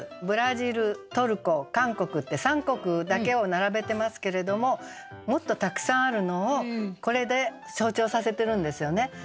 「ブラジル」「トルコ」「韓国」って３国だけを並べてますけれどももっとたくさんあるのをこれで象徴させてるんですよね。